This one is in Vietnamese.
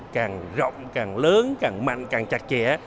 càng rộng càng lớn càng mạnh càng chặt chẽ